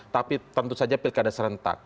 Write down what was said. tapi tentu saja pilkada serentak